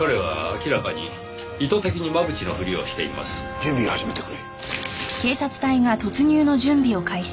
準備を始めてくれ。